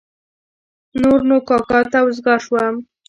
نور نو کاکا ته وزګار شوم.